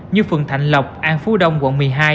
như phường thạnh lộc an phú đông quận một mươi hai